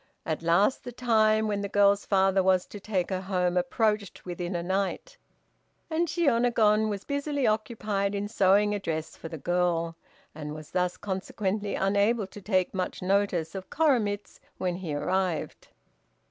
At last the time when the girl's father was to take her home approached within a night, and Shiônagon was busily occupied in sewing a dress for the girl, and was thus consequently unable to take much notice of Koremitz when he arrived.